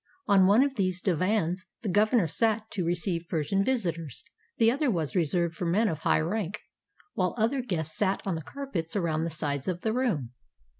On one of these divans the governor sat to receive Persian visitors; the other was reserved for men of high rank, while other guests sat on the carpets around the sides of the room.